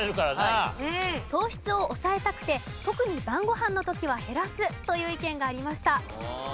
糖質を抑えたくて特に晩ご飯の時は減らすという意見がありました。